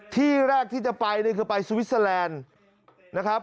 ที่แรกที่จะไปนี่คือไปสวิสเตอร์แลนด์นะครับ